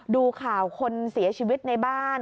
ดูข่าวคนเสียชีวิตในบ้าน